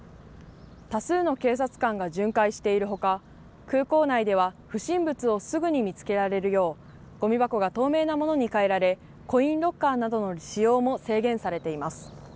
多数の警察官が巡回しているほか空港内では不審物をすぐに見つけられるようごみ箱が透明なものに変えられコインロッカーなどの使用も制限されています。